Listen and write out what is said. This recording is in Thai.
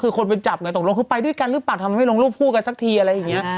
คือคนไปจับไงตกลงคือไปด้วยกันหรือเปล่าทำไมไม่ลงรูปคู่กันสักทีอะไรอย่างนี้